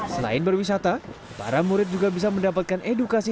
selain berwisata para murid juga bisa mendapatkan edukasi